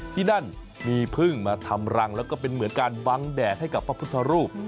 ที่นั่นมีพึ่งมาทำรังแล้วก็เป็นเหมือนการบังแดดให้กับพระพุทธรูป